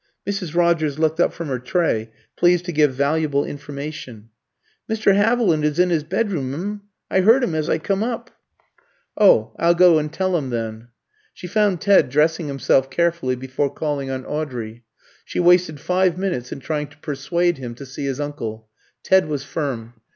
Mrs. Rogers looked up from her tray, pleased to give valuable information. "Mr. 'Aviland is in 'is bedroom, m'm; I 'eard 'im as I come up." "Oh, I'll go and tell him then." She found Ted dressing himself carefully before calling on Audrey. She wasted five minutes in trying to persuade him to see his uncle. Ted was firm.